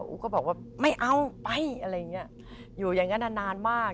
ก็บอกว่าไม่เอาไปอะไรอย่างเงี้ยอยู่อย่างนั้นนานมาก